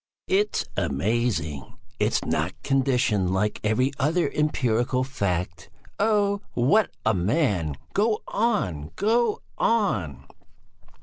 "It's amazing! It is not conditioned like every other empirical fact. Oh! What a man! Go on! Go on!"